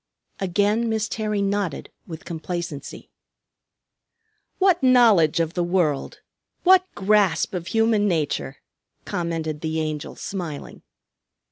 Again Miss Terry nodded with complacency. "What knowledge of the world! What grasp of human nature!" commented the Angel, smiling.